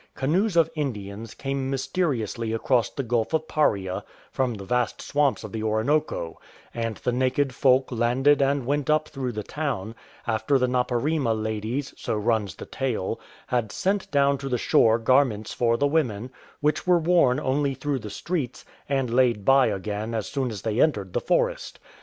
Canoes of Indians came mysteriously across the Gulf of Paria from the vast swamps of the Orinoco ; and the naked folk landed and went up through the town, after the Naparima ladies (so runs the tale) had sent down to the shore garments for the women, which were worn only through the streets, and laid by again as soon as they entered the forest.